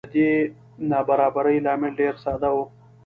د دې نابرابرۍ لامل ډېر ساده و